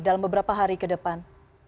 dalam beberapa hari ke depan